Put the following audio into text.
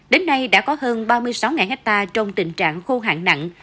đến nay đã có hơn ba mươi sáu hectare trong tình trạng khô hạn nặng